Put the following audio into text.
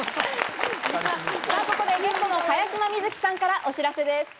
ここでゲストの茅島みずきさんからお知らせです。